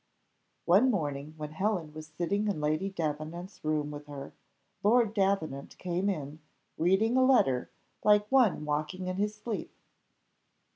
One morning, when Helen was sitting in Lady Davenant's room with her, Lord Davenant came in, reading a letter, like one walking in his sleep.